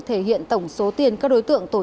thể hiện tổng số tiền các đối tượng tổ